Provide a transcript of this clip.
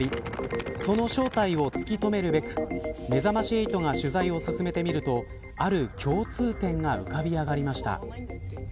その正体を突き止めるべくめざまし８が取材を進めてみるとある共通点が浮かび上がりました。